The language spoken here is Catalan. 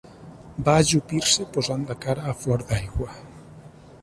Va ajupir-se posant la cara a flor d'aigua